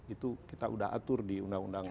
itu kita sudah atur di undang undang